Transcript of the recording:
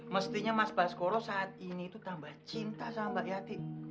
mestinya mas baskoro saat ini itu tambah cinta sama mbak yati